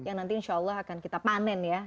yang nanti insya allah akan kita panen ya